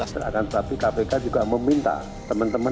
tapi kpk juga meminta teman teman